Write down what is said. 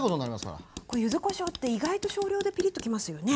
これ柚子こしょうって意外と少量でピリッときますよね。